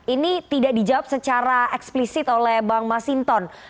ini tidak dijawab secara eksplisit oleh bang mas hinton